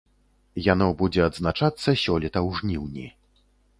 Яно будзе адзначацца сёлета ў жніўні.